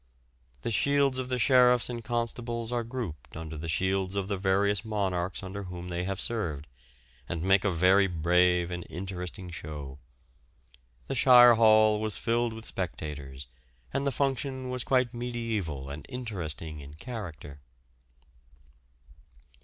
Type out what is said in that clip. The shields of the Sheriffs and Constables are grouped under the shields of the various monarchs under whom they served, and make a very brave and interesting show. The Shire Hall was filled with spectators, and the function was quite mediæval and interesting in character.